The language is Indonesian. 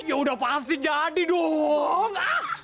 yaudah pasti jadi dong